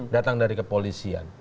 datang dari kepolisian